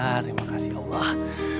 terima kasih allah